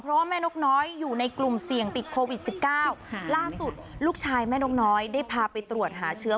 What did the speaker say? เพราะว่าแม่นกน้อยอยู่ในกลุ่มเสี่ยงติดโควิดสิบเก้าล่าสุดลูกชายแม่นกน้อยได้พาไปตรวจหาเชื้อ